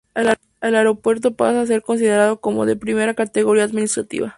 El aeropuerto pasa a ser considerado como de primera categoría administrativa.